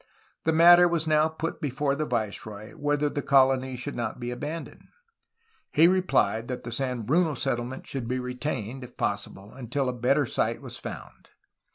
The matter was now put before the viceroy whether the colony should not be abandoned. He 170 A HISTORY OF CALIFORNIA replied that the San Bruno settlement should be retained, if possible, until a better site was found.